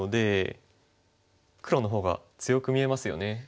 黒の方が強く見えますよね。